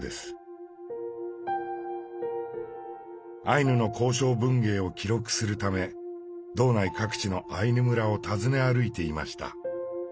アイヌの口承文芸を記録するため道内各地のアイヌ村を訪ね歩いていました。